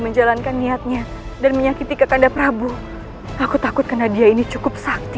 menjalankan niatnya dan menyakiti kepada prabu aku takut karena dia ini cukup sakti